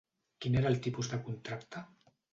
Quin era el tipus de contracte?